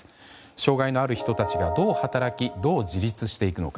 傷害のある人たちがどう働きどう自立していくのか。